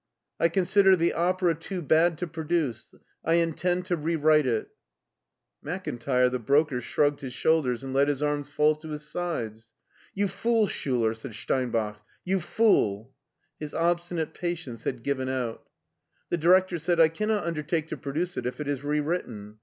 I consider the opera too bad to produce. I intend to rewrite it" Makintire, the broker, shrugged his shoulders and let his arms fall to his sides. " You fool, Schuler! " said Steinbach; " you fool! '' His obstinate patience had given out. The director said, " I cannot undertake to produce it if it is rewritten.